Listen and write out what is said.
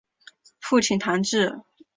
父亲谭智。